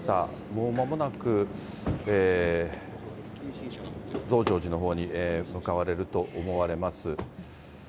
もうまもなく増上寺のほうに向かわれると思われます。